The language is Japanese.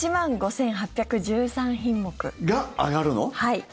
はい。